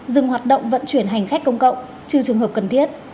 dừng hoạt động vận chuyển hành khách công cộng trừ trường hợp cần thiết